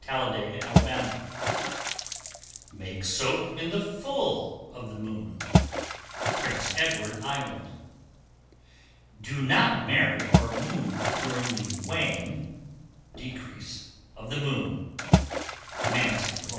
Talladega, Ala. 1137. Make soap in the full of the moon. Prince Edward Island. 1138. Do not marry or move during the wane (decrease) of the moon. _Mansfield, O.